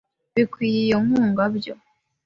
bakwiye iyo nkunga byo .